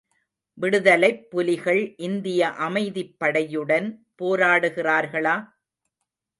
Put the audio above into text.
விடுதலைப் புலிகள் இந்திய அமைதிப் படையுடன் போராடுகிறார்களா?